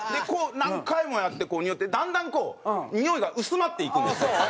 こう何回もやってにおってだんだんにおいが薄まっていくんですよ。